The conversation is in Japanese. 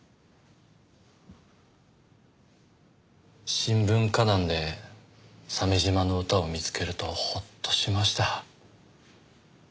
新聞歌壇で鮫島の歌を見つけるとほっとしました。